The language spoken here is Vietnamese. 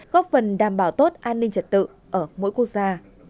góp phần đảm bảo tốt an ninh trật tự ở mỗi quốc gia